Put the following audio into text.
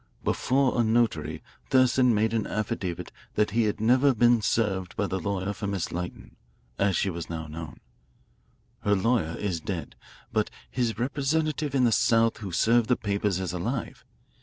Before a notary Thurston made an affidavit that he had never been served by the lawyer for Miss Lytton, as she was now known. Her lawyer is dead, but his representative in the South who served the papers is alive.